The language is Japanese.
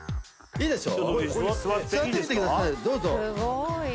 いいでしょ？